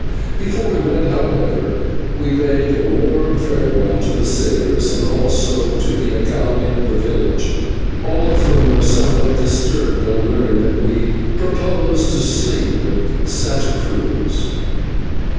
Before we went, however, we bade a warm farewell to the sailors, and also to the /alcalde/ of the village, all of whom were somewhat disturbed on learning that we proposed to sleep at Santa Cruz.